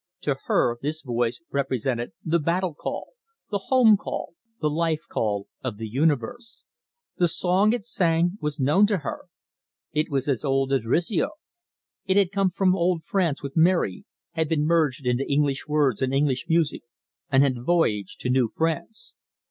To her this voice represented the battle call, the home call, the life call of the universe. The song it sang was known to her. It was as old as Rizzio. It had come from old France with Mary, had been merged into English words and English music, and had voyaged to New France.